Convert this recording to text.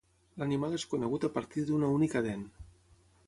L'animal és conegut a partir d'una única dent.